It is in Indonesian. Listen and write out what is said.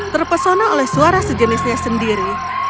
terpesona oleh suara sejenisnya sendiri